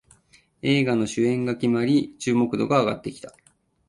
映画の主演が決まり注目度が上がってきた